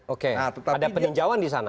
oke tetap ada peninjauan di sana